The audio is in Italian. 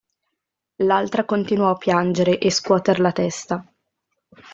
L'altra continuò a piangere e scuoter la testa.